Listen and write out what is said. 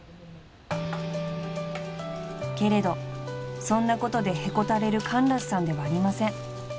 ［けれどそんなことでへこたれるカンラスさんではありません］